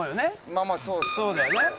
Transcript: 「まあまあそうですね」